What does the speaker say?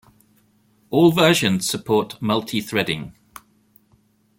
All versions support multi-threading.